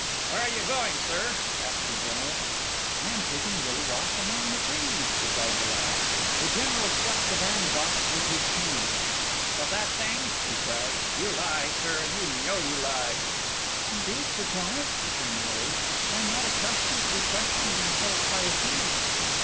"Where are you going, sir?" asked the General. "I am taking a little walk among the trees," replied the lad. The General struck the bandbox with his cane. "With that thing?" he cried; "you lie, sir, and you know you lie!" "Indeed, Sir Thomas," returned Harry, "I am not accustomed to be questioned in so high a key."